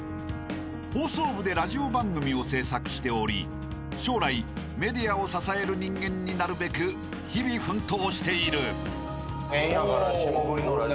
［放送部でラジオ番組を制作しており将来メディアを支える人間になるべく日々奮闘している］